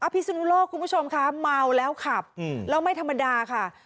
พิศนุโลกคุณผู้ชมค่ะเมาแล้วขับแล้วไม่ธรรมดาค่ะ